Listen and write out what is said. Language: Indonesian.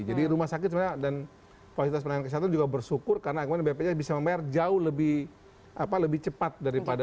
jadi rumah sakit sebenarnya dan kualitas pelayanan kesehatan juga bersyukur karena akhirnya bpjs bisa membayar jauh lebih apa lebih cepat daripada